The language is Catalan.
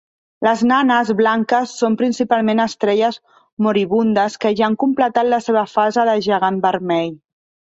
Les nanes blanques són principalment estrelles moribundes que ja han completat la seva fase de gegant vermell.